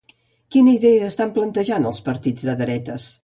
Quina idea s'estan plantejant els partits de dretes?